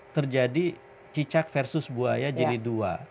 terjadi cicak versus buaya jilid dua